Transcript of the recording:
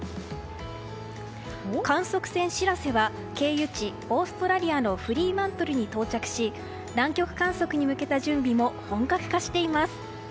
観測船「しらせ」は経由地オーストラリアのフリーマントルに到着し南極観測に向けた準備も本格化しています。